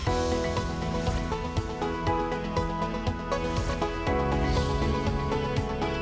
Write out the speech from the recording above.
yang akan menyelesaikan rawatan mespres again asap